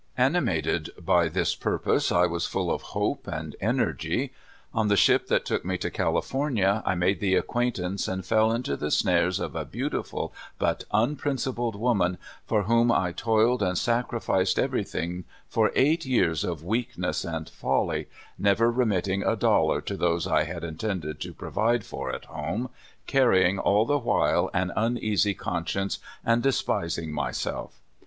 Animated by this //</: \i'i< <:< I hrrit ItaiDitrd z.il/i t lir idrn <>/' sniciilr .' (55) AN INTERVIEW. 57 purpose, I was full of hope and energy. On the ship that took me to California 1 made the ac quaintance and fell into the snares of a beautiful but unprincipled woman, for whom I toiled and sacrificed everything for eight years of weakness and folly, never remitting a dollar to those I had intended to provide for at home, carrying all the while an uneasy conscience and despising myself.